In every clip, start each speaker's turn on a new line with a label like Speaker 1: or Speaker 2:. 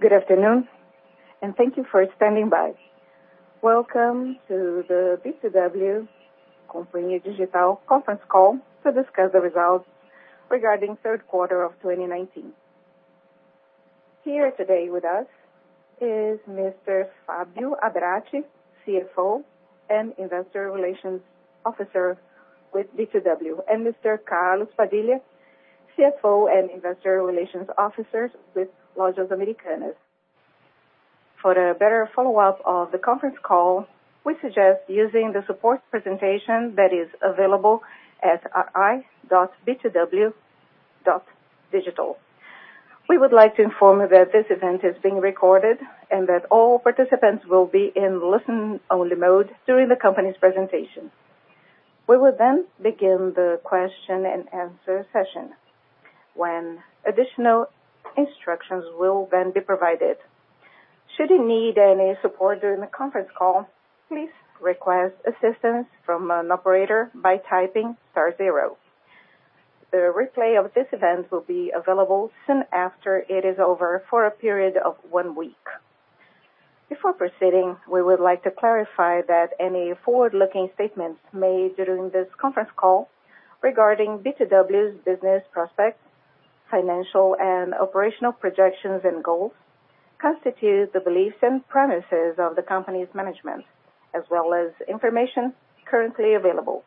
Speaker 1: Good afternoon, and thank you for standing by. Welcome to the B2W Companhia Digital conference call to discuss the results regarding third quarter of 2019. Here today with us is Mr. Fábio Abrate, CFO and Investor Relations Officer with B2W, and Mr. Carlos Padilha, CFO and Investor Relations Officer with Lojas Americanas. For a better follow-up of the conference call, we suggest using the support presentation that is available at ri.americanas.io. We would like to inform you that this event is being recorded, and that all participants will be in listen-only mode during the company's presentation. We will then begin the question and answer session, when additional instructions will then be provided. Should you need any support during the conference call, please request assistance from an operator by typing star zero. The replay of this event will be available soon after it is over for a period of one week. Before proceeding, we would like to clarify that any forward-looking statements made during this conference call regarding B2W's business prospects, financial and operational projections and goals, constitute the beliefs and premises of the company's management, as well as information currently available.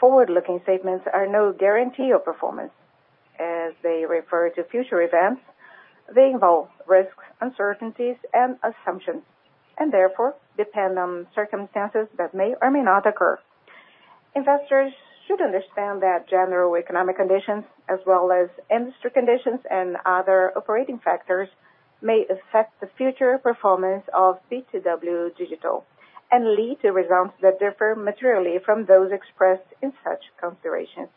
Speaker 1: Forward-looking statements are no guarantee of performance. As they refer to future events, they involve risks, uncertainties, and assumptions, and therefore, depend on circumstances that may or may not occur. Investors should understand that general economic conditions, as well as industry conditions and other operating factors, may affect the future performance of B2W Digital and lead to results that differ materially from those expressed in such considerations.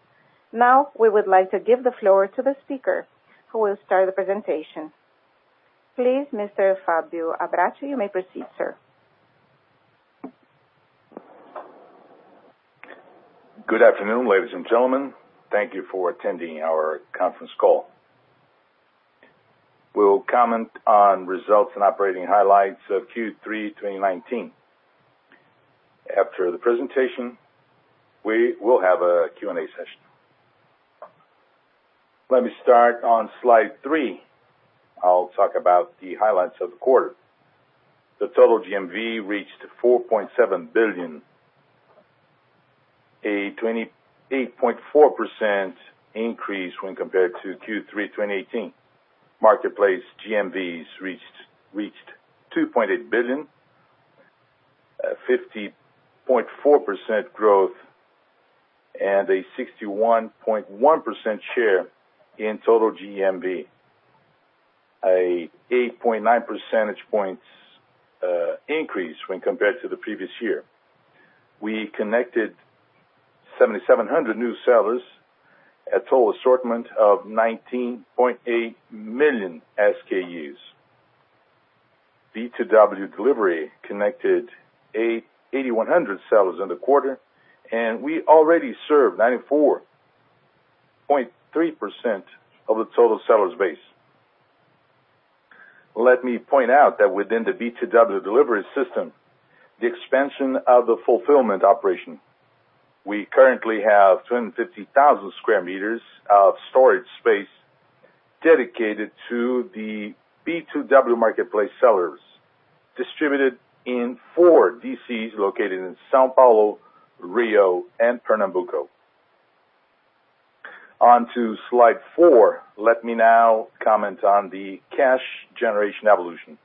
Speaker 1: Now, we would like to give the floor to the speaker who will start the presentation. Please, Mr. Fábio Abrate, you may proceed, sir.
Speaker 2: Good afternoon, ladies and gentlemen. Thank you for attending our conference call. We'll comment on results and operating highlights of Q3 2019. After the presentation, we will have a Q&A session. Let me start on slide three. I'll talk about the highlights of the quarter. The total GMV reached 4.7 billion, a 28.4% increase when compared to Q3 2018. Marketplace GMVs reached BRL 2.8 billion, a 50.4% growth, and a 61.1% share in total GMV, an 8.9 percentage points increase when compared to the previous year. We connected 7,700 new sellers, a total assortment of 19.8 million SKUs. B2W Delivery connected 8,100 sellers in the quarter, and we already serve 94.3% of the total sellers base. Let me point out that within the B2W Delivery system, the expansion of the fulfillment operation. We currently have 250,000 sq m of storage space dedicated to the B2W marketplace sellers, distributed in 4 DCs located in São Paulo, Rio, and Pernambuco. On to slide four. Let me now comment on the cash generation evolution.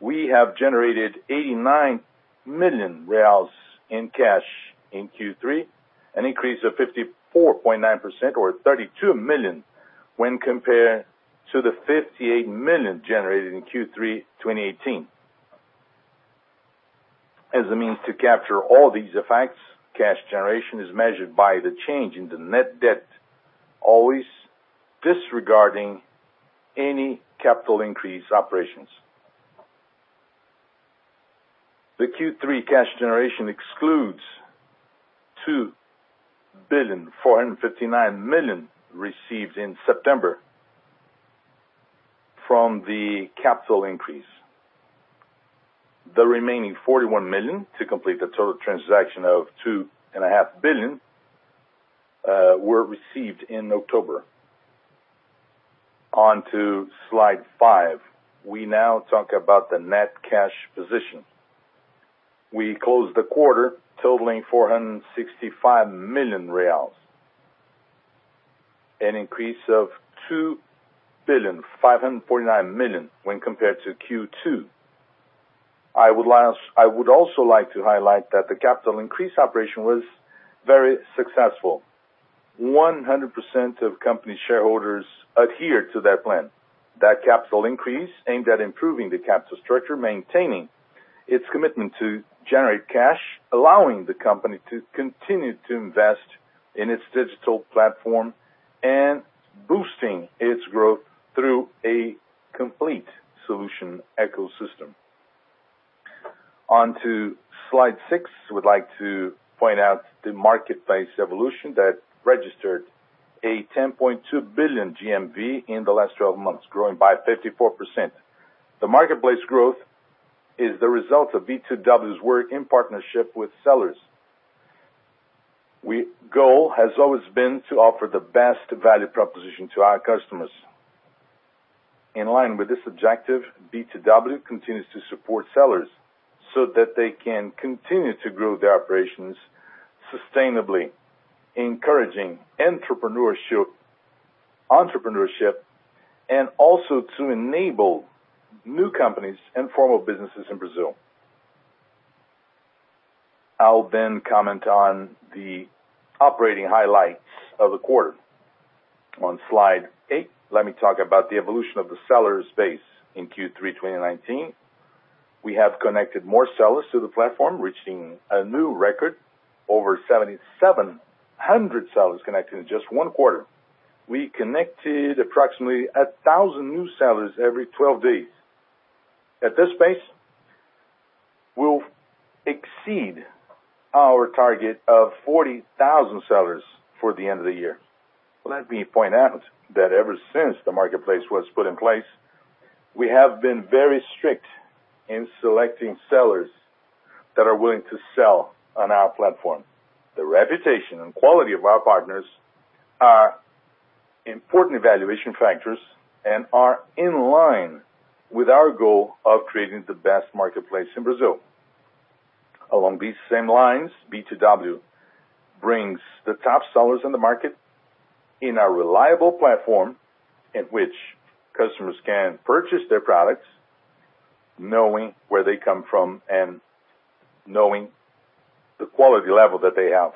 Speaker 2: We have generated 89 million reais in cash in Q3, an increase of 54.9%, or 32 million, when compared to the 58 million generated in Q3 2018. As a means to capture all these effects, cash generation is measured by the change in the net debt, always disregarding any capital increase operations. The Q3 cash generation excludes 2,459 million received in September from the capital increase. The remaining 41 million, to complete the total transaction of 2.5 billion, were received in October. On to slide five. We now talk about the net cash position. We closed the quarter totaling 465 million reais, an increase of 2 billion, 549 million when compared to Q2. I would also like to highlight that the capital increase operation was very successful. 100% of company shareholders adhered to that plan. That capital increase aimed at improving the capital structure, maintaining its commitment to generate cash, allowing the company to continue to invest in its digital platform, and boosting its growth through a complete solution ecosystem. On to slide six, we'd like to point out the marketplace evolution that registered a 10.2 billion GMV in the last 12 months, growing by 54%. The marketplace growth is the result of B2W's work in partnership with sellers. Goal has always been to offer the best value proposition to our customers. In line with this objective, B2W continues to support sellers so that they can continue to grow their operations sustainably, encouraging entrepreneurship, also to enable new companies and formal businesses in Brazil. I'll comment on the operating highlights of the quarter. On slide eight, let me talk about the evolution of the sellers base in Q3 2019. We have connected more sellers to the platform, reaching a new record over 7,700 sellers connected in just one quarter. We connected approximately 1,000 new sellers every 12 days. At this pace, we'll exceed our target of 40,000 sellers for the end of the year. Let me point out that ever since the marketplace was put in place, we have been very strict in selecting sellers that are willing to sell on our platform. The reputation and quality of our partners are important evaluation factors and are in line with our goal of creating the best marketplace in Brazil. Along these same lines, B2W brings the top sellers in the market in a reliable platform in which customers can purchase their products knowing where they come from and knowing the quality level that they have.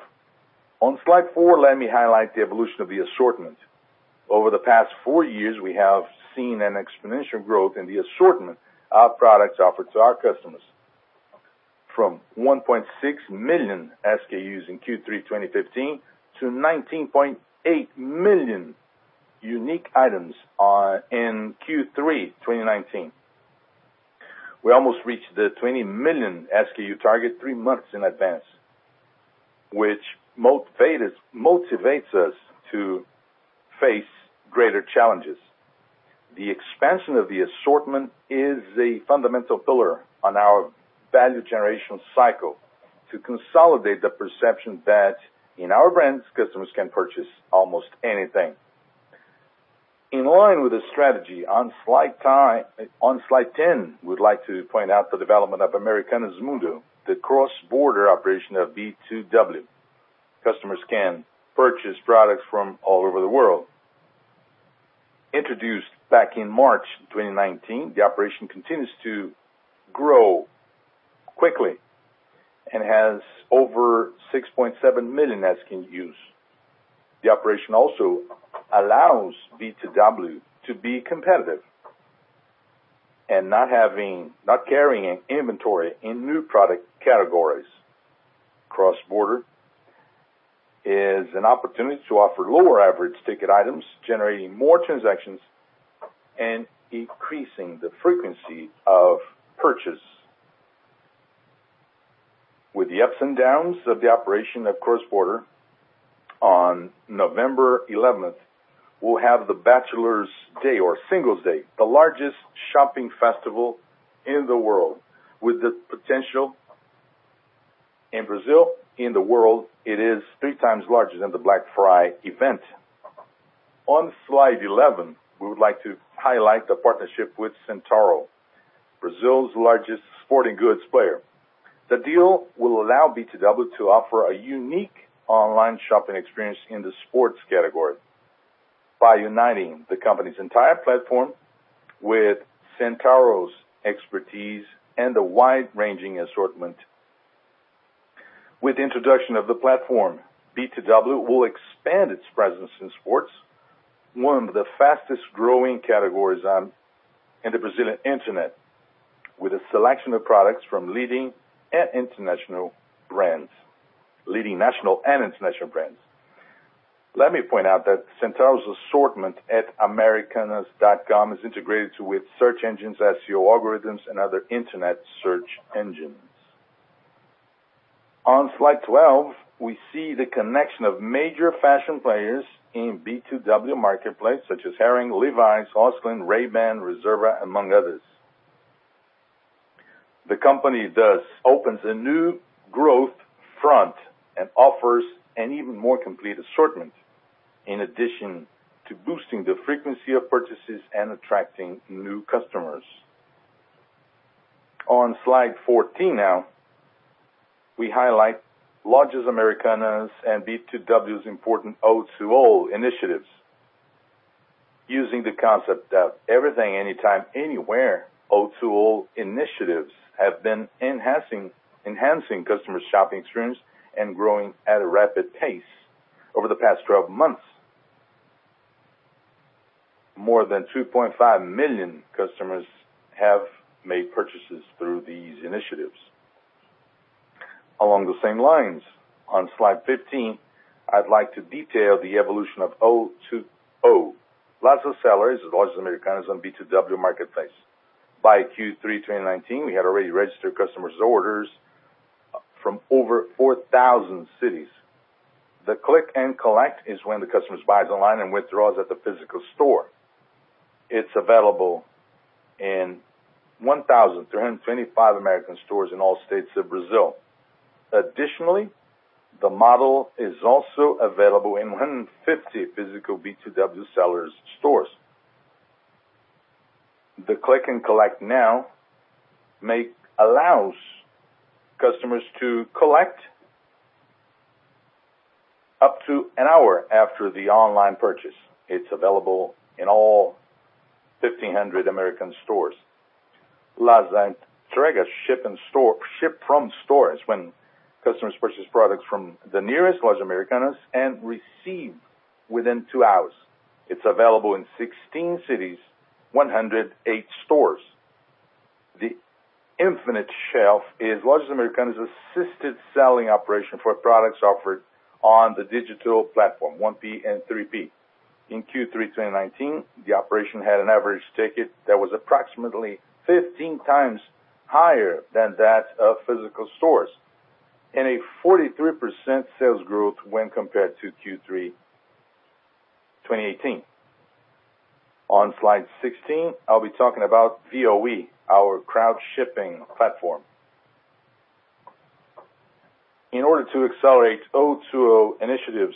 Speaker 2: On slide four, let me highlight the evolution of the assortment. Over the past four years, we have seen an exponential growth in the assortment of products offered to our customers. From 1.6 million SKUs in Q3 2015 to 19.8 million unique items are in Q3 2019. We almost reached the 20 million SKU target three months in advance, which motivates us to face greater challenges. The expansion of the assortment is a fundamental pillar on our value generation cycle to consolidate the perception that in our brands, customers can purchase almost anything. In line with the strategy, on slide 10, we'd like to point out the development of Americanas Mundo, the cross-border operation of B2W. Customers can purchase products from all over the world. Introduced back in March 2019, the operation continues to grow quickly and has over 6.7 million SKUs. The operation also allows B2W to be competitive and not carrying an inventory in new product categories. Cross-border is an opportunity to offer lower average ticket items, generating more transactions and increasing the frequency of purchase. With the ups and downs of the operation of cross-border, on November 11th, we'll have the Singles' Day or Singles' Day, the largest shopping festival in the world. With the potential in Brazil, in the world, it is three times larger than the Black Friday event. On slide 11, we would like to highlight the partnership with Centauro, Brazil's largest sporting goods player. The deal will allow B2W to offer a unique online shopping experience in the sports category by uniting the company's entire platform with Centauro's expertise and a wide-ranging assortment. With the introduction of the platform, B2W will expand its presence in sports, one of the fastest-growing categories in the Brazilian internet, with a selection of products from leading national and international brands. Let me point out that Centauro's assortment at americanas.com is integrated with search engines, SEO algorithms, and other internet search engines. On slide 12, we see the connection of major fashion players in B2W marketplace, such as Hering, Levi's, Osklen, Ray-Ban, Reserva, among others. The company thus opens a new growth front and offers an even more complete assortment, in addition to boosting the frequency of purchases and attracting new customers. On slide 14 now, we highlight Lojas Americanas and B2W's important O2O initiatives. Using the concept of everything, anytime, anywhere, O2O initiatives have been enhancing customer shopping experience and growing at a rapid pace over the past 12 months. More than 2.5 million customers have made purchases through these initiatives. Along the same lines, on slide 15, I'd like to detail the evolution of O2O. Lots of sellers at Lojas Americanas on B2W marketplace. By Q3 2019, we had already registered customers' orders from over 4,000 cities. The Click and Collect is when the customer buys online and withdraws at the physical store. It's available in 1,325 Americanas stores in all states of Brazil. Additionally, the model is also available in 150 physical B2W sellers stores. The Click and Collect Now allows customers to collect up to an hour after the online purchase. It's available in all 1,500 Americanas stores. Last entrega ship from stores, when customers purchase products from the nearest Lojas Americanas and receive within two hours. It's available in 16 cities, 108 stores. The infinite shelf is Lojas Americanas' assisted selling operation for products offered on the digital platform, 1P and 3P. In Q3 2019, the operation had an average ticket that was approximately 15 times higher than that of physical stores, and a 43% sales growth when compared to Q3 2018. On slide 16, I'll be talking about Voe, our crowd shipping platform. In order to accelerate O2O initiatives,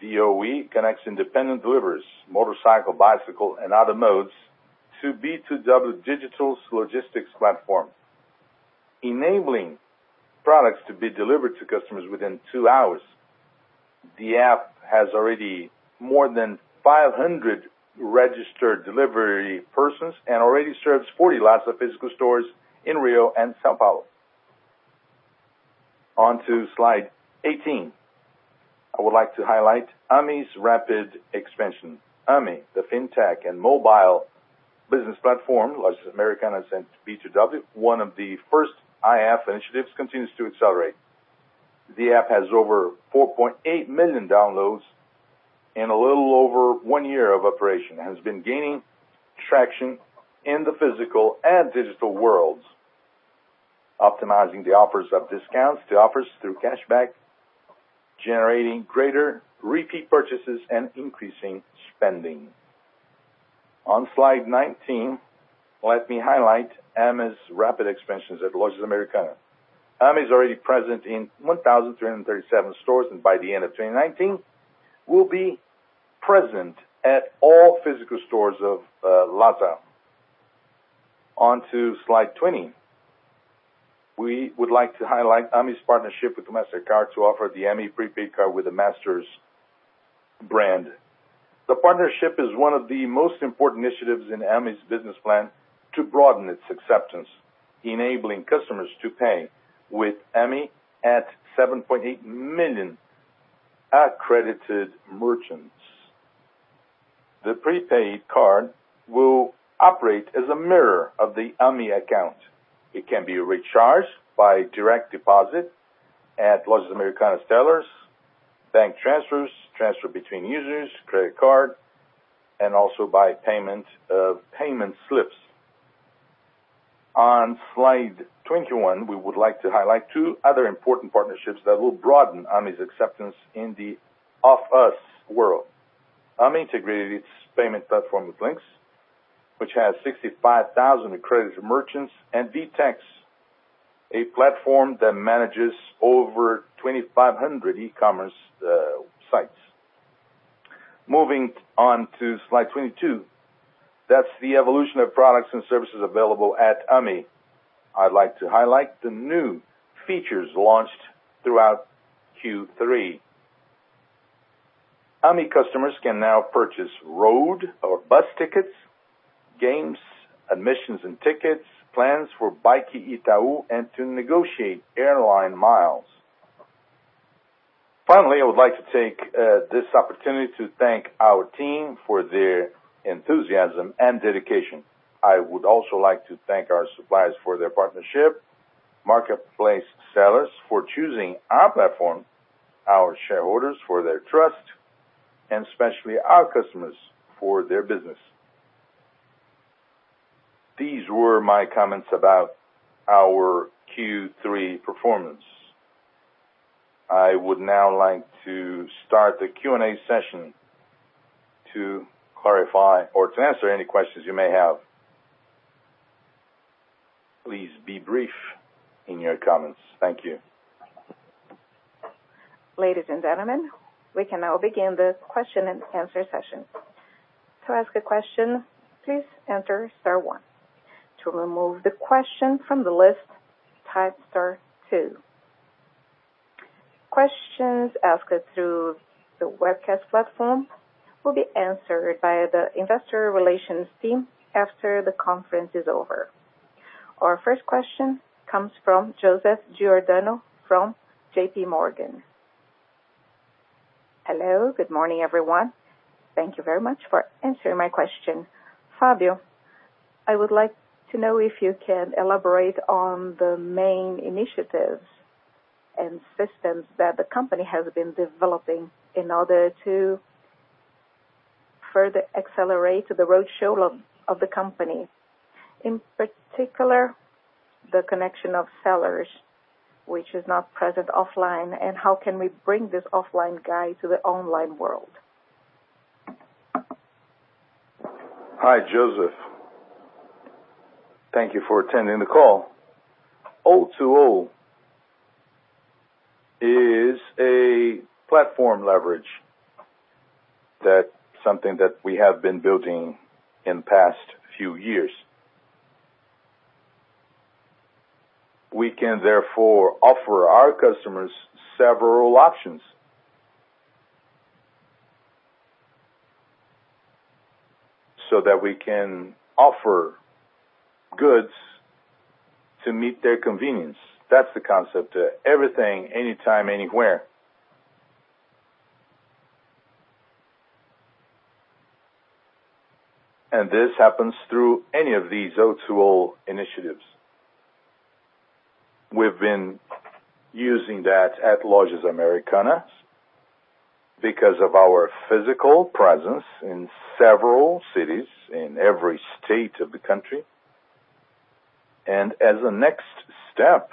Speaker 2: Voe connects independent deliveries, motorcycle, bicycle, and other modes to B2W Digital's logistics platform, enabling products to be delivered to customers within two hours. The app has already more than 500 registered delivery persons and already serves 40 Lojas physical stores in Rio and São Paulo. On to slide 18. I would like to highlight Ame's rapid expansion. Ame, the fintech and mobile business platform, Lojas Americanas and B2W, one of the first AI initiatives, continues to accelerate. The app has over 4.8 million downloads in a little over one year of operation. The app has been gaining traction in the physical and digital worlds, optimizing the offers of discounts to offers through cashback, generating greater repeat purchases, and increasing spending. On slide 19, let me highlight Ame's rapid expansions at Lojas Americanas. Ame is already present in 1,337 stores, and by the end of 2019, will be present at all physical stores of Lasa. On to slide 20. We would like to highlight Ame's partnership with Mastercard to offer the Ame prepaid card with a Mastercard brand. The partnership is one of the most important initiatives in Ame's business plan to broaden its acceptance, enabling customers to pay with Ame at 7.8 million accredited merchants. The prepaid card will operate as a mirror of the Ame account. It can be recharged by direct deposit at Casas Americanas sellers, bank transfers, transfer between users, credit card, and also by payment of payment slips. On slide 21, we would like to highlight two other important partnerships that will broaden Ame's acceptance in the off-us world. Ame integrated its payment platform with Linx, which has 65,000 accredited merchants, and VTEX, a platform that manages over 2,500 e-commerce sites. Moving on to slide 22. That's the evolution of products and services available at Ame. I'd like to highlight the new features launched throughout Q3. Ame customers can now purchase road or bus tickets, games, admissions and tickets, plans for Bike Itaú, and to negotiate airline miles. Finally, I would like to take this opportunity to thank our team for their enthusiasm and dedication. I would also like to thank our suppliers for their partnership, marketplace sellers for choosing our platform, our shareholders for their trust, and especially our customers for their business. These were my comments about our Q3 performance. I would now like to start the Q&A session to clarify or to answer any questions you may have. Please be brief in your comments. Thank you.
Speaker 1: Ladies and gentlemen, we can now begin the question and answer session. To ask a question, please enter star one. To remove the question from the list, type star two. Questions asked through the webcast platform will be answered by the investor relations team after the conference is over. Our first question comes from Joseph Giordano from J.P. Morgan.
Speaker 3: Hello. Good morning, everyone. Thank you very much for answering my question. Fábio, I would like to know if you can elaborate on the main initiatives and systems that the company has been developing in order to further accelerate the roadshow of the company. In particular, the connection of sellers, which is not present offline, and how can we bring this offline guy to the online world?
Speaker 2: Hi, Joseph. Thank you for attending the call. O2O is a platform leverage. That's something that we have been building in past few years. We can therefore offer our customers several options, so that we can offer goods to meet their convenience. That's the concept. Everything, anytime, anywhere. This happens through any of these O2O initiatives. We've been using that at Lojas Americanas because of our physical presence in several cities in every state of the country. As a next step,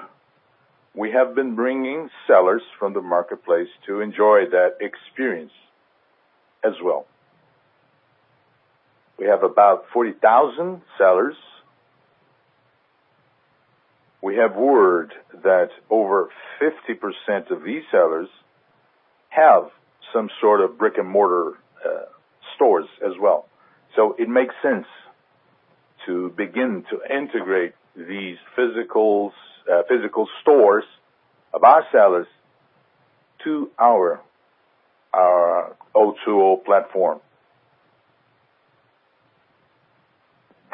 Speaker 2: we have been bringing sellers from the marketplace to enjoy that experience as well. We have about 40,000 sellers. We have word that over 50% of these sellers have some sort of brick-and-mortar stores as well. It makes sense to begin to integrate these physical stores of our sellers to our O2O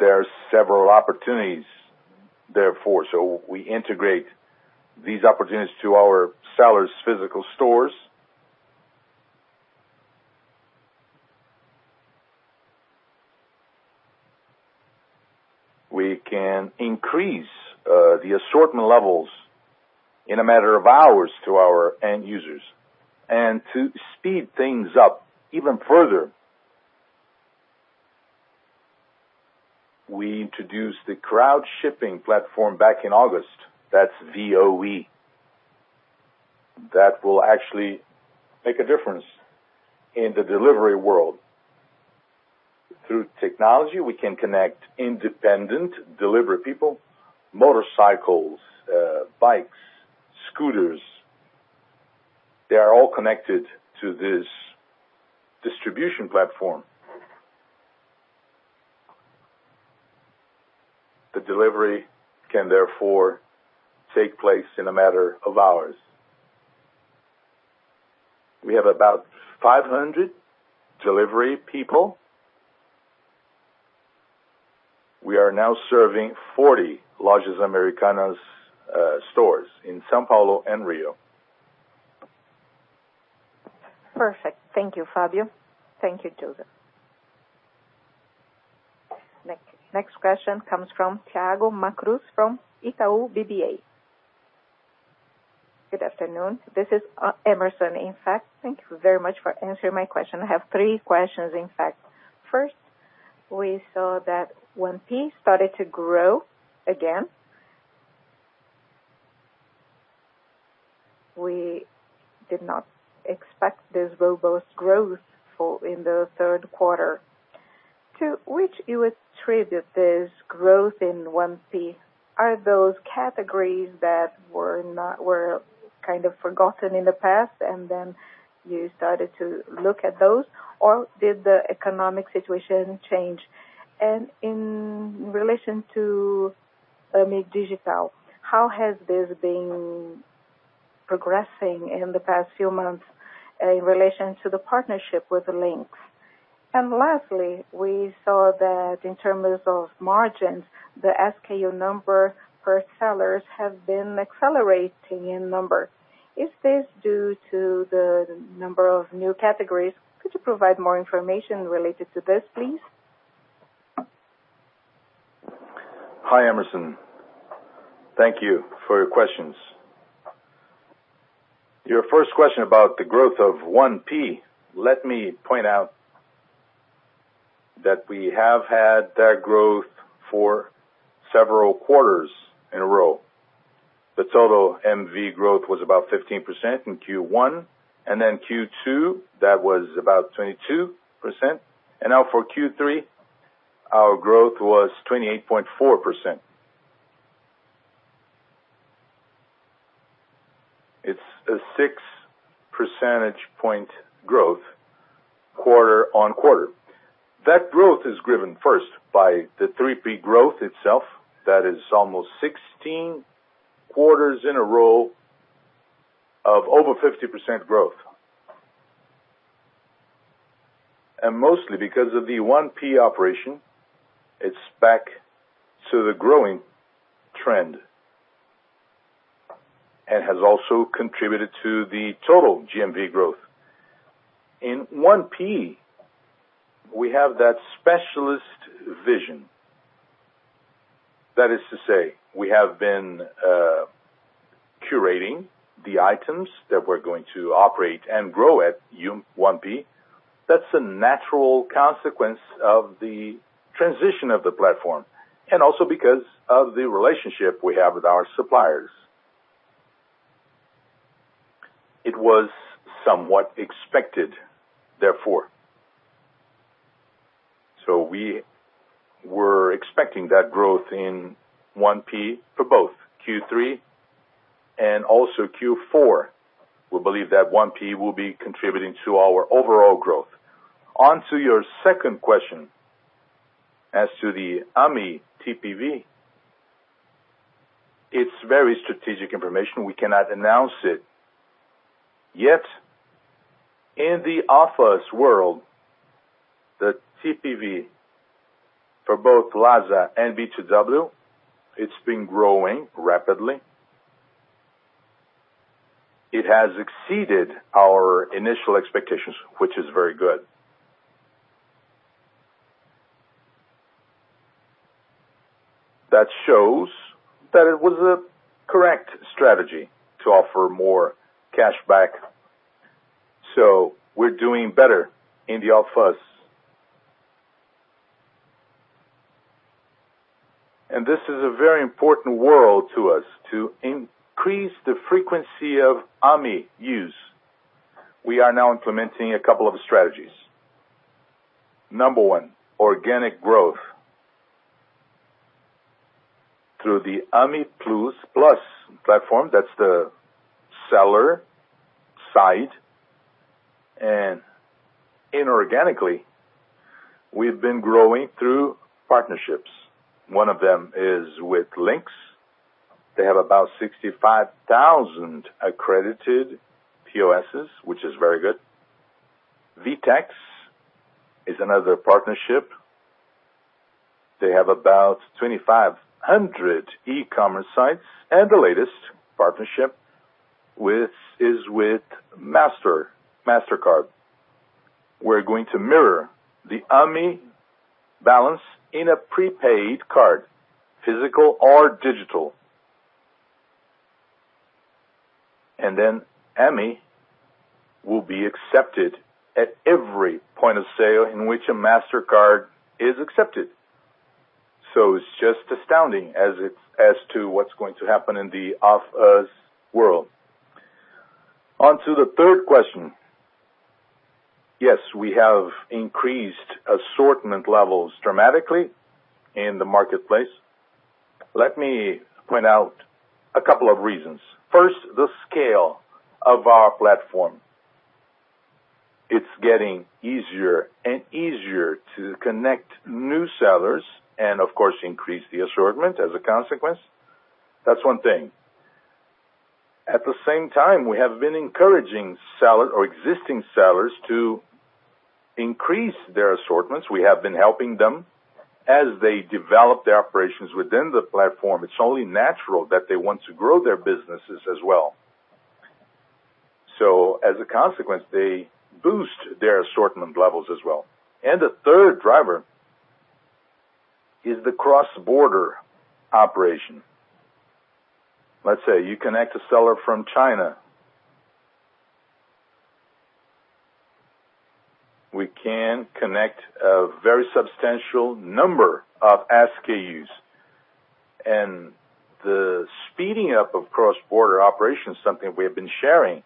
Speaker 2: platform. There are several opportunities therefore. We integrate these opportunities to our sellers' physical stores. We can increase the assortment levels in a matter of hours to our end users. To speed things up even further, we introduced the crowd shipping platform back in August. That's Voe. That will actually make a difference in the delivery world. Through technology, we can connect independent delivery people, motorcycles, bikes, scooters. They are all connected to this distribution platform. The delivery can therefore take place in a matter of hours. We have about 500 delivery people. We are now serving 40 Lojas Americanas stores in São Paulo and Rio.
Speaker 1: Perfect. Thank you, Fábio. Thank you, Joseph. Next question comes from Thiago acruz from Itaú BBA.
Speaker 4: Good afternoon. This is Emerson, in fact. Thank you very much for answering my question. I have three questions, in fact. First, we saw that 1P started to grow again. We did not expect this robust growth in the third quarter. To which you attribute this growth in 1P? Are those categories that were kind of forgotten in the past, and then you started to look at those, or did the economic situation change? In relation to Ame Digital, how has this been progressing in the past few months in relation to the partnership with Linx? Lastly, we saw that in terms of margins, the SKU number per sellers have been accelerating in number. Is this due to the number of new categories? Could you provide more information related to this, please?
Speaker 2: Hi, Emerson. Thank you for your questions. Your first question about the growth of 1P. Let me point out that we have had that growth for several quarters in a row. The total GMV growth was about 15% in Q1, and then Q2, that was about 22%, and now for Q3, our growth was 28.4%. It's a six percentage point growth quarter-on-quarter. That growth is driven first by the 3P growth itself. That is almost 16 quarters in a row of over 50% growth. Mostly because of the 1P operation, it's back to the growing trend and has also contributed to the total GMV growth. In 1P, we have that specialist vision. That is to say, we have been curating the items that we're going to operate and grow at 1P. That's a natural consequence of the transition of the platform and also because of the relationship we have with our suppliers. It was somewhat expected, therefore. We were expecting that growth in 1P for both Q3 and also Q4. We believe that 1P will be contributing to our overall growth. Onto your second question as to the Ame TPV. It's very strategic information. We cannot announce it yet. In the off-us world, the TPV for both Lojas and B2W, it's been growing rapidly. It has exceeded our initial expectations, which is very good. That shows that it was a correct strategy to offer more cash back. We're doing better in the off-us. This is a very important world to us to increase the frequency of Ame use. We are now implementing a couple of strategies. Number 1, organic growth through the Ame Plus Plus platform, that's the seller side. Inorganically, we've been growing through partnerships. One of them is with Linx. They have about 65,000 accredited POSs, which is very good. VTEX is another partnership. They have about 2,500 e-commerce sites. The latest partnership is with Mastercard. We're going to mirror the Ame balance in a prepaid card, physical or digital. Then Ame will be accepted at every point of sale in which a Mastercard is accepted. It's just astounding as to what's going to happen in the off-us world. Onto the third question. Yes, we have increased assortment levels dramatically in the marketplace. Let me point out a couple of reasons. First, the scale of our platform. It's getting easier and easier to connect new sellers and, of course, increase the assortment as a consequence. That's one thing. At the same time, we have been encouraging existing sellers to increase their assortments. We have been helping them as they develop their operations within the platform. It's only natural that they want to grow their businesses as well. As a consequence, they boost their assortment levels as well. The third driver is the cross-border operation. Let's say you connect a seller from China. We can connect a very substantial number of SKUs. The speeding up of cross-border operations is something we have been sharing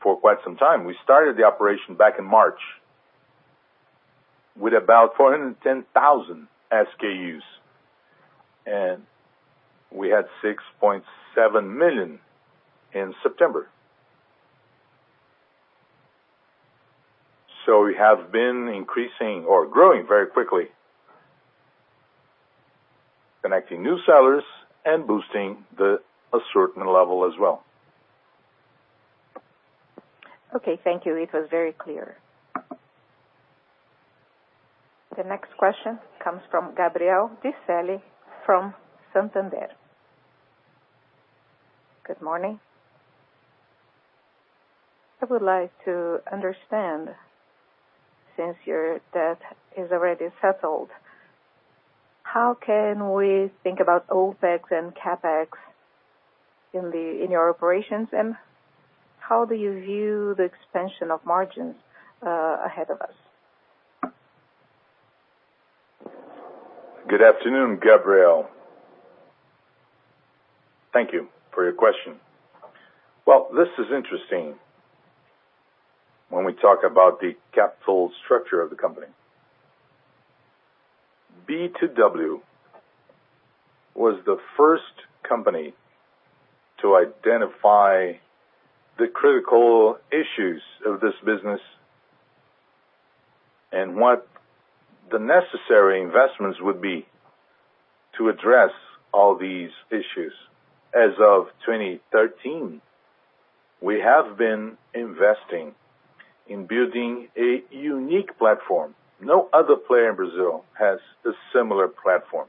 Speaker 2: for quite some time. We started the operation back in March with about 410,000 SKUs, and we had 6.7 million in September. We have been increasing or growing very quickly, connecting new sellers and boosting the assortment level as well.
Speaker 1: Okay, thank you. It was very clear. The next question comes from Gabriel Di Celi from Santander.
Speaker 5: Good morning. I would like to understand, since your debt is already settled, how can we think about OpEx and CapEx in your operations, and how do you view the expansion of margins ahead of us?
Speaker 2: Good afternoon, Gabriel. Thank you for your question. Well, this is interesting when we talk about the capital structure of the company. B2W was the first company to identify the critical issues of this business and what the necessary investments would be. To address all these issues as of 2013, we have been investing in building a unique platform. No other player in Brazil has a similar platform.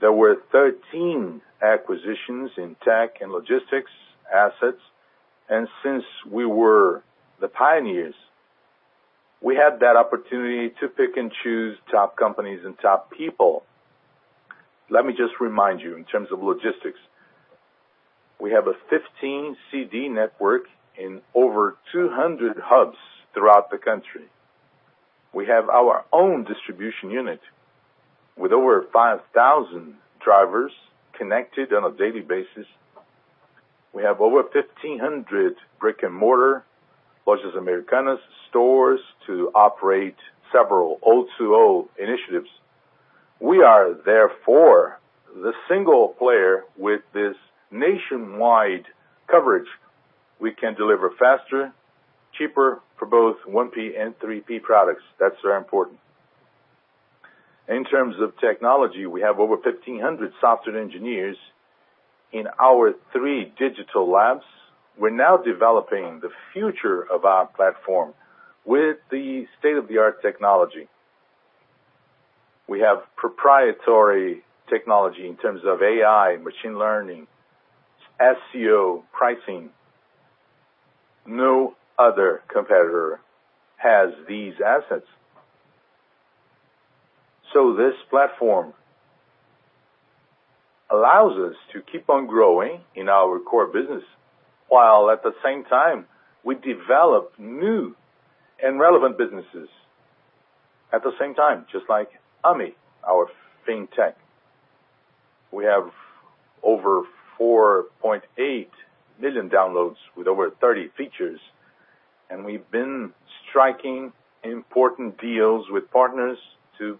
Speaker 2: There were 13 acquisitions in tech and logistics assets. Since we were the pioneers, we had that opportunity to pick and choose top companies and top people. Let me just remind you, in terms of logistics, we have a 15 DC network in over 200 hubs throughout the country. We have our own distribution unit with over 5,000 drivers connected on a daily basis. We have over 1,500 brick-and-mortar Lojas Americanas stores to operate several O2O initiatives. We are therefore the single player with this nationwide coverage. We can deliver faster, cheaper for both 1P and 3P products. That's very important. In terms of technology, we have over 1,500 software engineers in our three digital labs. We're now developing the future of our platform with the state-of-the-art technology. We have proprietary technology in terms of AI, machine learning, SEO pricing. No other competitor has these assets. This platform allows us to keep on growing in our core business, while at the same time, we develop new and relevant businesses at the same time, just like Ame, our fintech. We have over 4.8 million downloads with over 30 features, we've been striking important deals with partners to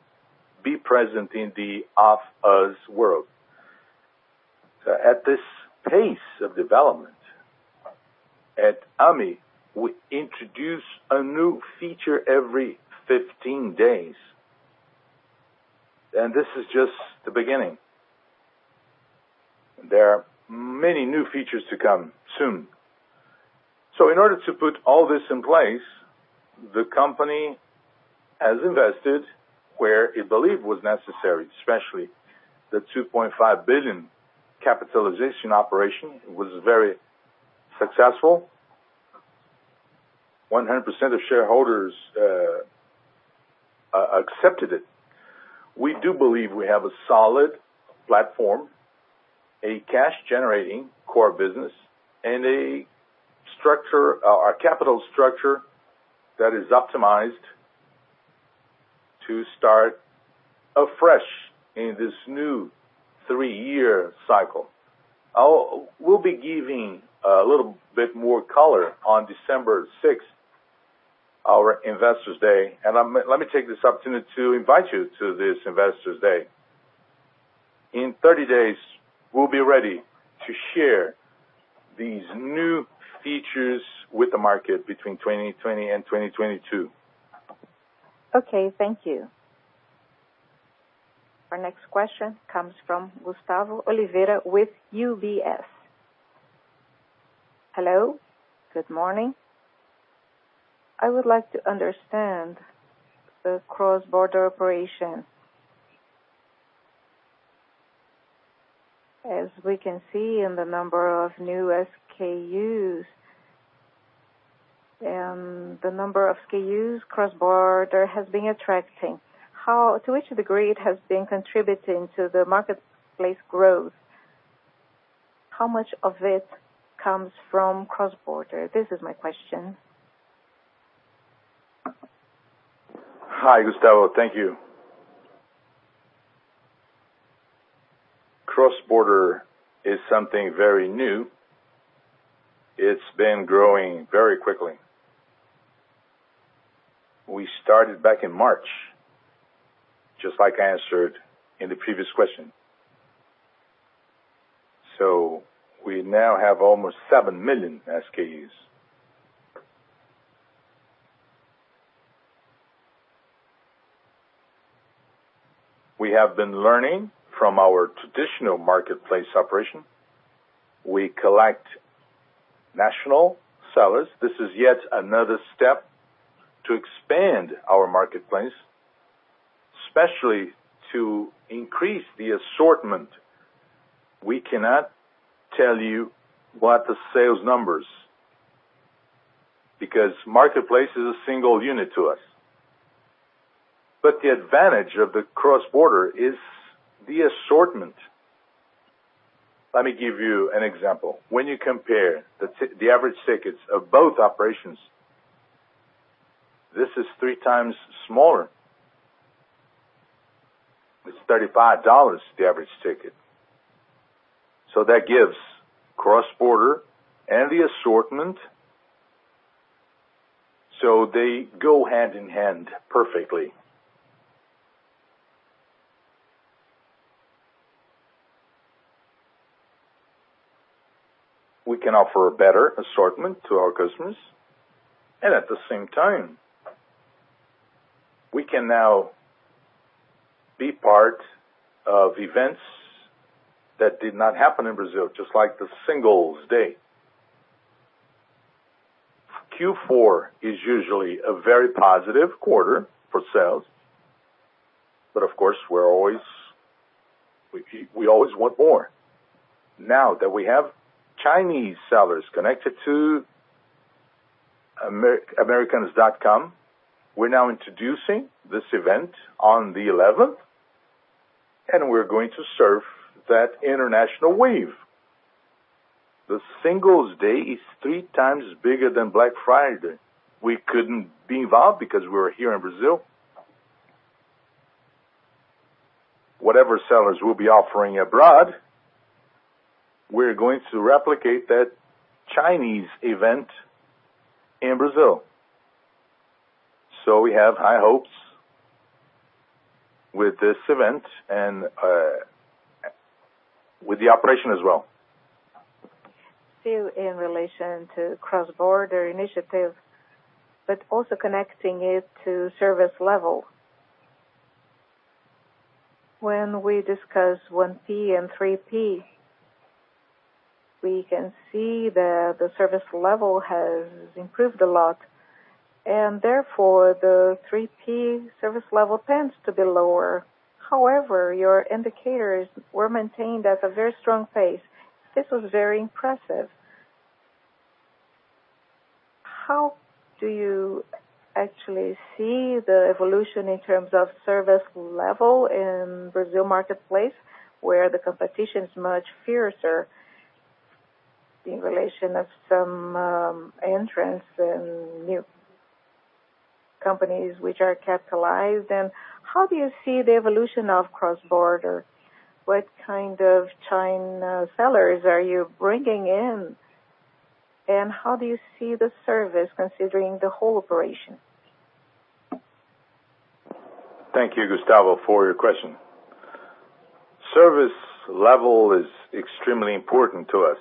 Speaker 2: be present in the off-us world. At this pace of development at Ame, we introduce a new feature every 15 days, this is just the beginning. There are many new features to come soon. In order to put all this in place, the company has invested where it believed was necessary, especially the 2.5 billion capitalization operation. It was very successful. 100% of shareholders accepted it. We do believe we have a solid platform, a cash-generating core business, and a capital structure that is optimized to start afresh in this new three-year cycle. We'll be giving a little bit more color on December 6th, our investor's day, and let me take this opportunity to invite you to this investor's day. In 30 days, we'll be ready to share these new features with the market between 2020 and 2022.
Speaker 1: Okay, thank you. Our next question comes from Gustavo Oliveira with UBS. Hello. Good morning. I would like to understand the cross-border operation. As we can see in the number of new SKUs, and the number of SKUs cross-border has been attracting. To which degree it has been contributing to the marketplace growth? How much of it comes from cross-border? This is my question.
Speaker 2: Hi, Gustavo. Thank you. Cross-border is something very new. It's been growing very quickly. We started back in March, just like I answered in the previous question. We now have almost 7 million SKUs. We have been learning from our traditional marketplace operation. We collect national sellers. This is yet another step to expand our marketplace, especially to increase the assortment. We cannot tell you what the sales numbers, because marketplace is a single unit to us. The advantage of the cross-border is the assortment. Let me give you an example. When you compare the average tickets of both operations, this is three times smaller. It's BRL 35, the average ticket. That gives cross-border and the assortment, so they go hand in hand perfectly. We can offer a better assortment to our customers, and at the same time, we can now be part of events that did not happen in Brazil, just like the Singles' Day. Q4 is usually a very positive quarter for sales, but of course, we always want more. Now that we have Chinese sellers connected to americanas.com, we're now introducing this event on the 11th, and we're going to surf that international wave. The Singles' Day is three times bigger than Black Friday. We couldn't be involved because we were here in Brazil. Whatever sellers will be offering abroad, we're going to replicate that Chinese event in Brazil. We have high hopes with this event and with the operation as well.
Speaker 6: Still in relation to cross-border initiative, but also connecting it to service level. When we discuss 1P and 3P, we can see that the service level has improved a lot, and therefore the 3P service level tends to be lower. However, your indicators were maintained at a very strong pace. This was very impressive. How do you actually see the evolution in terms of service level in Brazil marketplace, where the competition is much fiercer in relation to some entrants and new companies which are capitalized? How do you see the evolution of cross-border? What kind of China sellers are you bringing in, and how do you see the service considering the whole operation?
Speaker 2: Thank you, Gustavo, for your question. Service level is extremely important to us.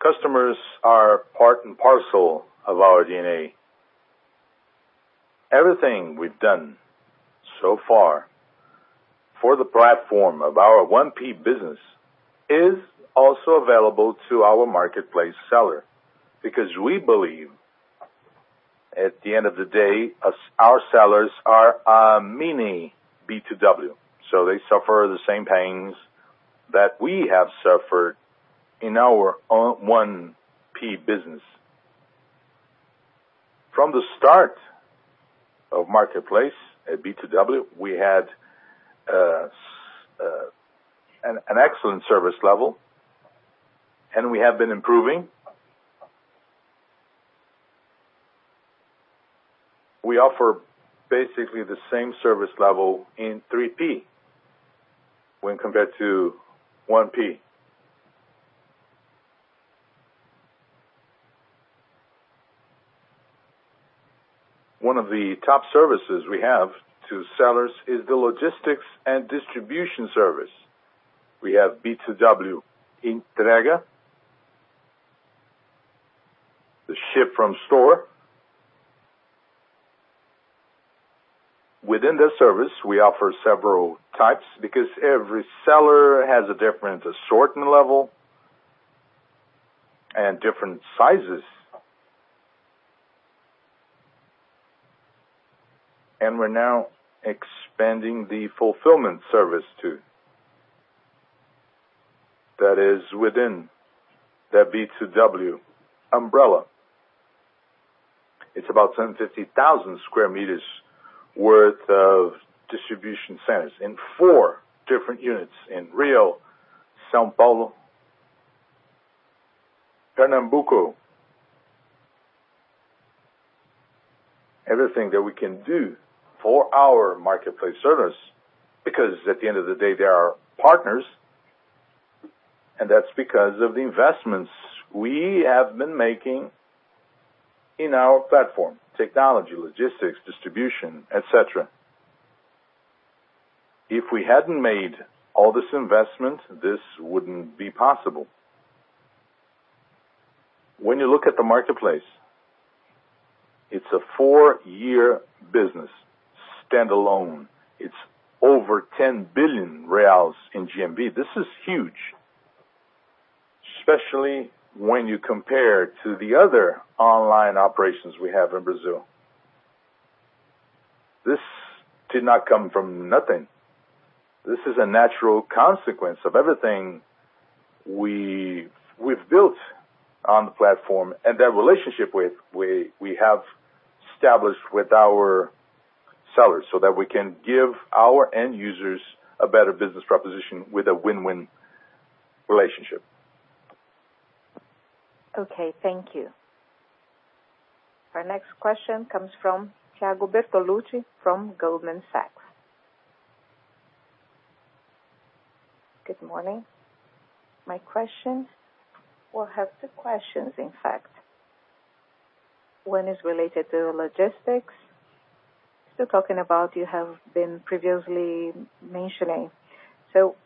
Speaker 2: Customers are part and parcel of our DNA. Everything we've done so far for the platform of our 1P business is also available to our marketplace seller because we believe, at the end of the day, our sellers are a mini B2W. They suffer the same pains that we have suffered in our 1P business. From the start of marketplace at B2W, we had an excellent service level, and we have been improving. We offer basically the same service level in 3P when compared to 1P. One of the top services we have to sellers is the logistics and distribution service. We have B2W Entrega, the ship from store. Within this service, we offer several types because every seller has a different assortment level and different sizes. We're now expanding the fulfillment service too. That is within that B2W umbrella. It's about 750,000 sq m worth of distribution centers in four different units in Rio, São Paulo, Pernambuco. Everything that we can do for our marketplace service, because at the end of the day, they are our partners, and that's because of the investments we have been making in our platform, technology, logistics, distribution, et cetera. If we hadn't made all this investment, this wouldn't be possible. When you look at the marketplace, it's a four-year business, standalone. It's over 10 billion reais in GMV. This is huge, especially when you compare to the other online operations we have in Brazil. This did not come from nothing. This is a natural consequence of everything we've built on the platform and that relationship we have established with our sellers so that we can give our end users a better business proposition with a win-win relationship.
Speaker 1: Okay, thank you. Our next question comes from Thiago Bortoluci from Goldman Sachs.
Speaker 7: Good morning. My question, or I have two questions, in fact. One is related to logistics. Still talking about you have been previously mentioning.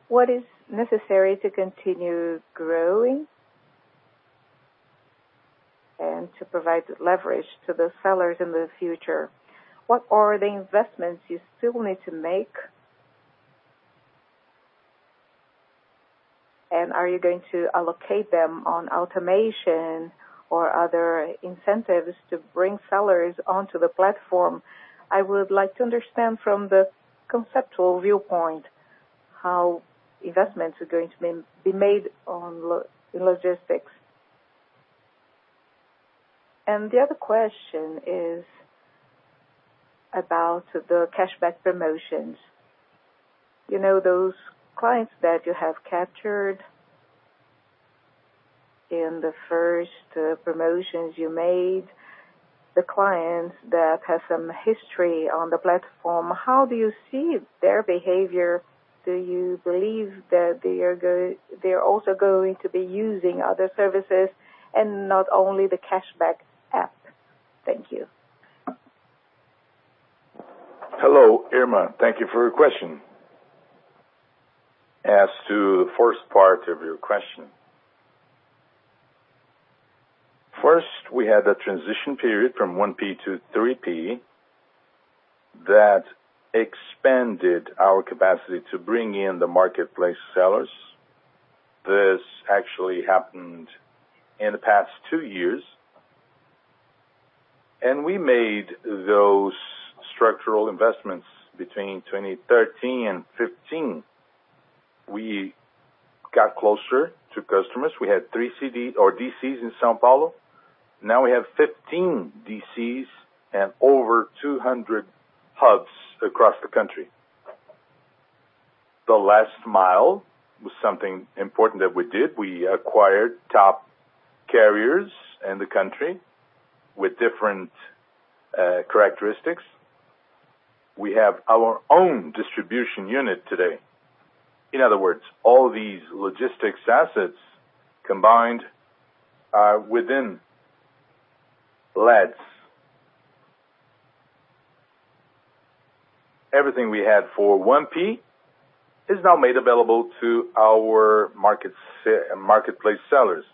Speaker 7: What is necessary to continue growing and to provide leverage to those sellers in the future? What are the investments you still need to make, and are you going to allocate them on automation or other incentives to bring sellers onto the platform? I would like to understand from the conceptual viewpoint how investments are going to be made on logistics. The other question is about the cashback promotions. Those clients that you have captured in the first promotions you made, the clients that have some history on the platform, how do you see their behavior? Do you believe that they are also going to be using other services and not only the cashback app? Thank you.
Speaker 2: Hello, Irma. Thank you for your question. As to the first part of your question. First, we had a transition period from 1P to 3P that expanded our capacity to bring in the marketplace sellers. This actually happened in the past two years. We made those structural investments between 2013 and 2015. We got closer to customers. We had three DCs in São Paulo. Now we have 15 DCs and over 200 hubs across the country. The last mile was something important that we did. We acquired top carriers in the country with different characteristics. We have our own distribution unit today. In other words, all these logistics assets combined are within Lasa. Everything we had for 1P is now made available to our marketplace sellers.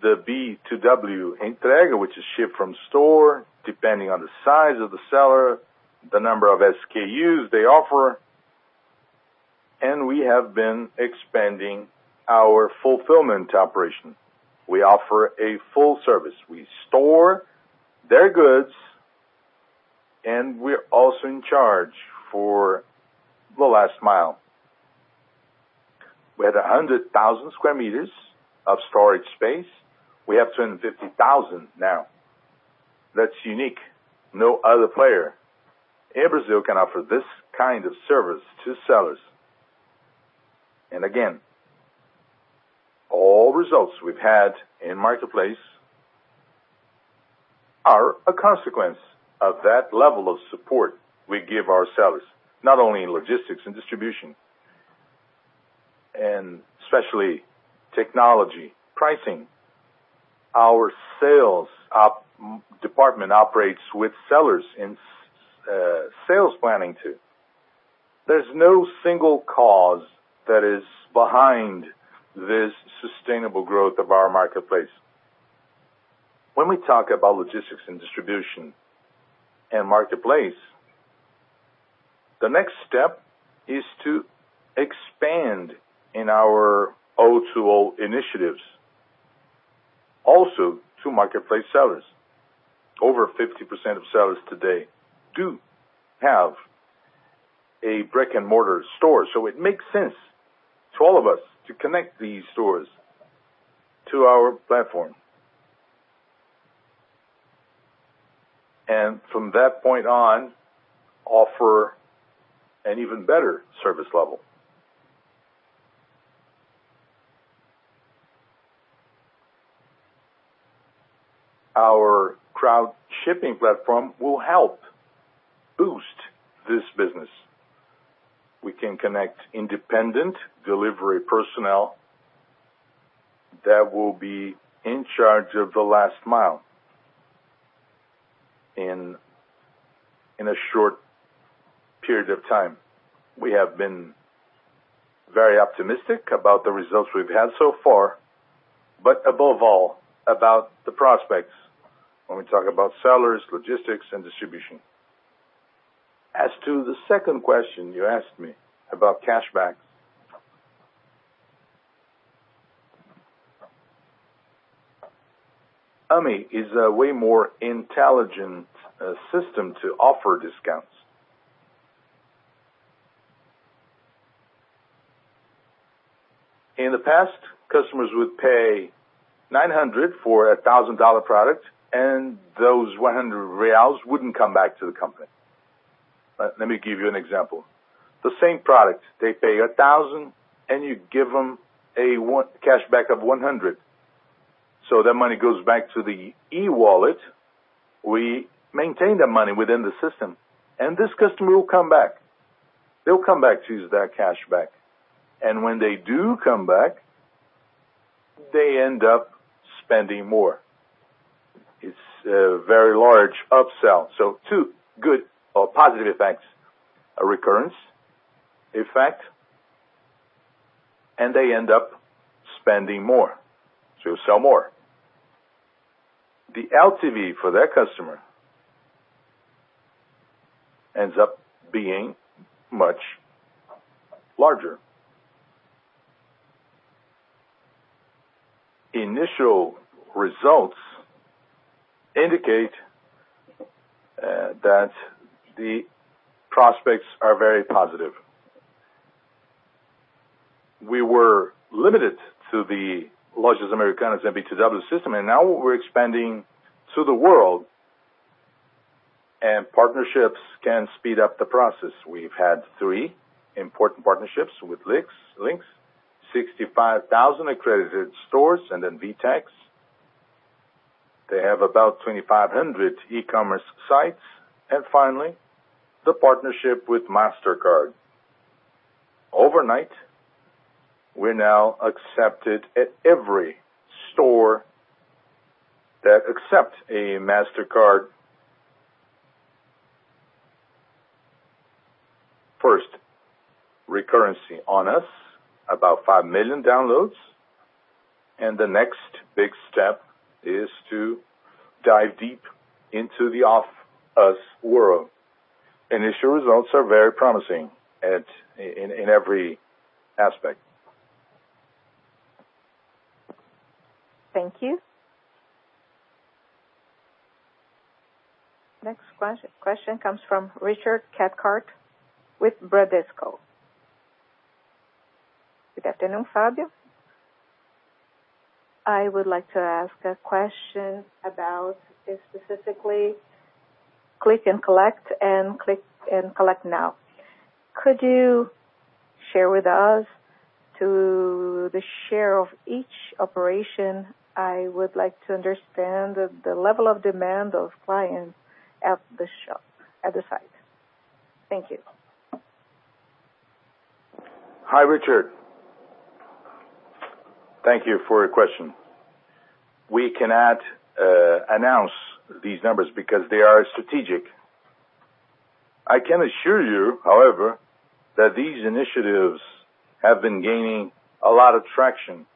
Speaker 2: The B2W Entrega, which is shipped from store, depending on the size of the seller, the number of SKUs they offer. We have been expanding our fulfillment operation. We offer a full service. We store their goods, and we're also in charge for the last mile. We had 100,000 sq m of storage space. We have 250,000 now. That's unique. No other player in Brazil can offer this kind of service to sellers. Again, all results we've had in marketplace are a consequence of that level of support we give our sellers, not only in logistics and distribution, and especially technology, pricing. Our sales department operates with sellers in sales planning too. There's no single cause that is behind this sustainable growth of our marketplace. When we talk about logistics and distribution and marketplace, the next step is to expand in our O2O initiatives also to marketplace sellers. Over 50% of sellers today do have a brick-and-mortar store. It makes sense to all of us to connect these stores to our platform. From that point on, offer an even better service level. Our crowd shipping platform will help boost this business. We can connect independent delivery personnel that will be in charge of the last mile in a short period of time. We have been very optimistic about the results we've had so far, but above all, about the prospects when we talk about sellers, logistics, and distribution. As to the second question you asked me about cashback. Ame is a way more intelligent system to offer discounts. In the past, customers would pay 900 for a BRL 1,000 product, and those 100 reais wouldn't come back to the company. Let me give you an example. The same product, they pay 1,000 and you give them a cashback of 100. That money goes back to the e-wallet. We maintain that money within the system. This customer will come back to use that cashback. When they do come back, they end up spending more. It's a very large upsell. Two good or positive effects, a recurrence effect. They end up spending more. You sell more. The LTV for that customer ends up being much larger. Initial results indicate that the prospects are very positive. We were limited to the largest Americanas and B2W system. Now we're expanding to the world. Partnerships can speed up the process. We've had three important partnerships with Linx, 65,000 accredited stores, and then VTEX. They have about 2,500 e-commerce sites. Finally, the partnership with Mastercard. Overnight, we're now accepted at every store that accepts a Mastercard. First recurrency on us, about five million downloads. The next big step is to dive deep into the off-us world. Initial results are very promising in every aspect.
Speaker 1: Thank you. Next question comes from Richard Cathcart with Bradesco.
Speaker 8: Good afternoon, Fábio. I would like to ask a question about specifically Click and Collect and Click and Collect Now. Could you share with us to the share of each operation? I would like to understand the level of demand of clients at the site. Thank you.
Speaker 2: Hi, Richard. Thank you for your question. We cannot announce these numbers because they are strategic. I can assure you, however, that these initiatives have been gaining a lot of traction.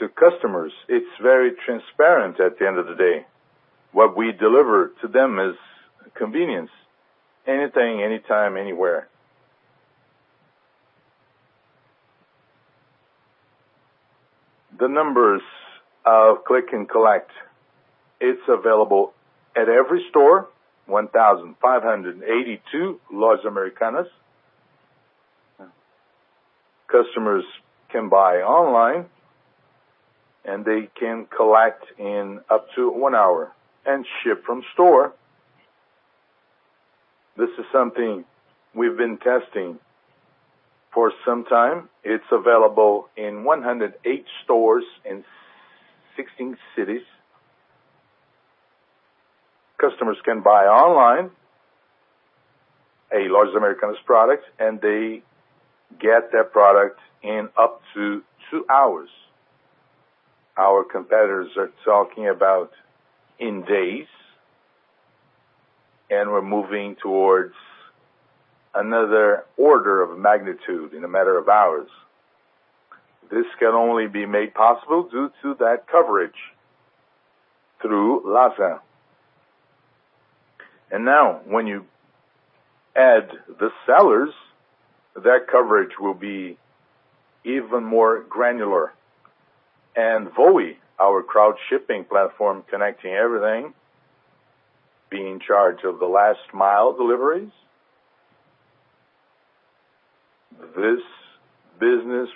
Speaker 2: To customers, it's very transparent at the end of the day. What we deliver to them is convenience, anything, anytime, anywhere. The numbers of Click and Collect, it's available at every store, 1,582 Lojas Americanas. Customers can buy online, they can collect in up to one hour. Ship from store, this is something we've been testing for some time. It's available in 108 stores in 16 cities. Customers can buy online a Lojas Americanas product, and they get that product in up to two hours. Our competitors are talking about in days, we're moving towards another order of magnitude in a matter of hours. This can only be made possible due to that coverage through Lasa. Now when you add the sellers, that coverage will be even more granular. Voe, our crowdshipping platform connecting everything, being charged of the last mile deliveries,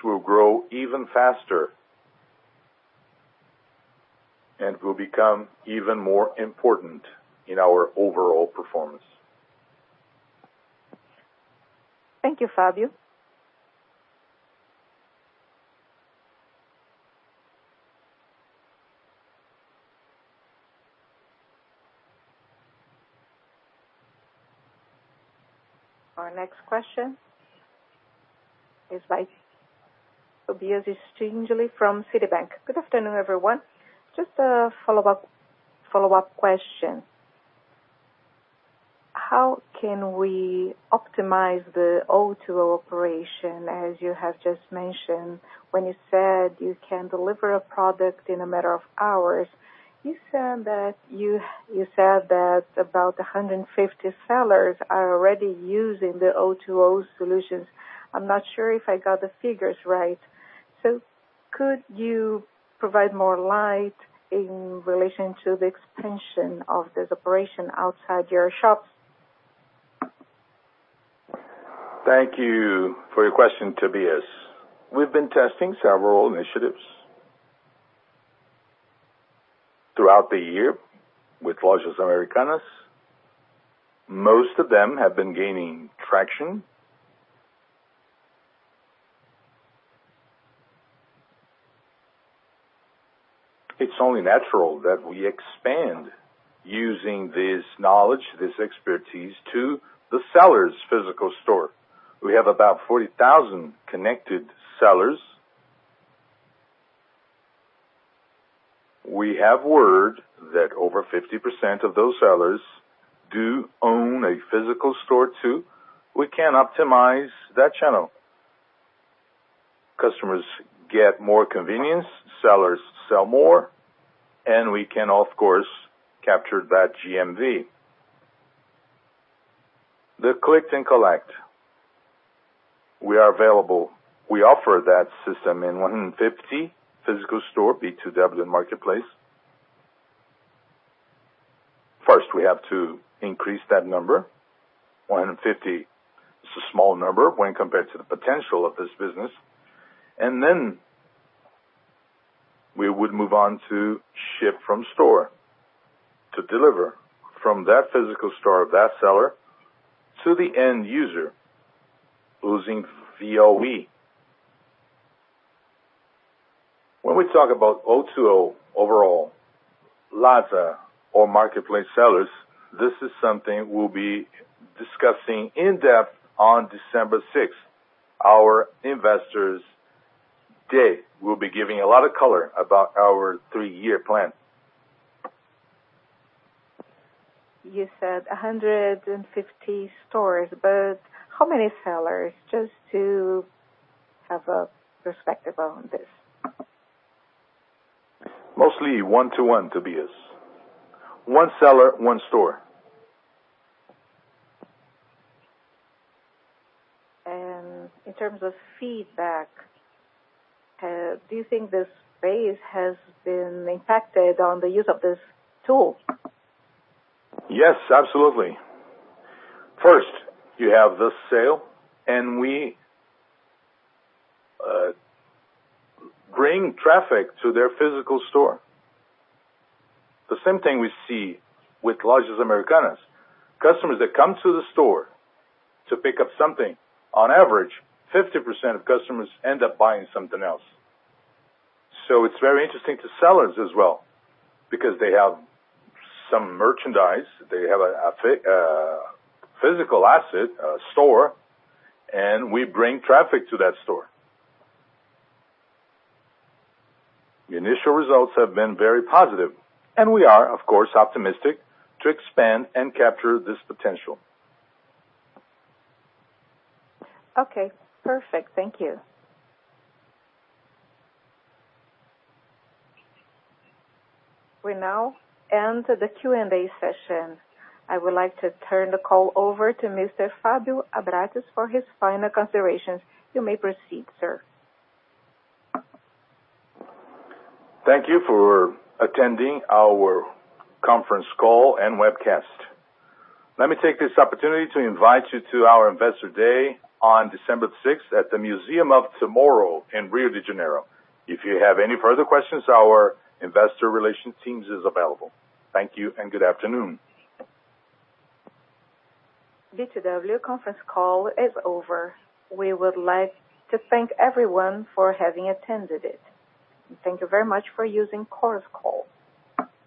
Speaker 2: will grow even faster and will become even more important in our overall performance.
Speaker 1: Thank you, Fábio. Our next question is by Tobias Stingelin from Citi.
Speaker 9: Good afternoon, everyone. Just a follow-up question. How can we optimize the O2O operation, as you have just mentioned when you said you can deliver a product in a matter of hours. You said that about 150 sellers are already using the O2O solutions. I'm not sure if I got the figures right. Could you provide more light in relation to the expansion of this operation outside your shops?
Speaker 2: Thank you for your question, Tobias. We've been testing several initiatives throughout the year with Lojas Americanas. Most of them have been gaining traction. It's only natural that we expand using this knowledge, this expertise, to the seller's physical store. We have about 40,000 connected sellers. We have word that over 50% of those sellers do own a physical store too. We can optimize that channel. Customers get more convenience, sellers sell more, and we can, of course, capture that GMV. The Click and Collect. We are available. We offer that system in 150 physical store, B2W marketplace. First, we have to increase that number. 150 is a small number when compared to the potential of this business. We would move on to ship from store to deliver from that physical store of that seller to the end user using VOE. When we talk about O2O overall, lots or marketplace sellers, this is something we'll be discussing in depth on December 6th, our Investor Day. We'll be giving a lot of color about our three-year plan.
Speaker 9: You said 150 stores, but how many sellers? Just to have a perspective on this.
Speaker 2: Mostly one to one, Tobias. One seller, one store.
Speaker 9: In terms of feedback, do you think this phase has been impacted on the use of this tool?
Speaker 2: Yes, absolutely. First, you have the sale, and we bring traffic to their physical store. The same thing we see with Lojas Americanas. Customers that come to the store to pick up something, on average, 50% of customers end up buying something else. It's very interesting to sellers as well, because they have some merchandise. They have a physical asset, a store, and we bring traffic to that store. The initial results have been very positive, and we are, of course, optimistic to expand and capture this potential.
Speaker 1: Okay, perfect. Thank you. We now end the Q&A session. I would like to turn the call over to Mr. Fábio Abrate for his final considerations. You may proceed, sir.
Speaker 2: Thank you for attending our conference call and webcast. Let me take this opportunity to invite you to our Investor Day on December 6th at the Museum of Tomorrow in Rio de Janeiro. If you have any further questions, our investor relations teams is available. Thank you and good afternoon.
Speaker 1: B2W conference call is over. We would like to thank everyone for having attended it. Thank you very much for using Chorus Call.